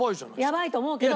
やばいと思うけど。